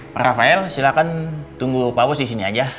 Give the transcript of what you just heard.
pak rafael silahkan tunggu pak bos disini aja